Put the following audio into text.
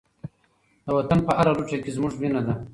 د وطن په هره لوټه کې زموږ وینه ده.